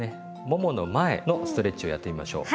ももの前のストレッチをやってみましょう。